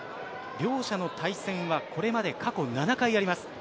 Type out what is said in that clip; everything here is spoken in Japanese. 両者の対戦はこれまで過去７回あります。